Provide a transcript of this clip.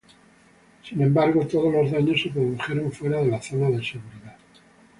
Sin embargo, todos los daños se produjeron fuera de la zona de seguridad.